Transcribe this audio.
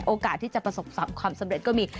โอกาสที่จะประสบความสำเร็จก็มี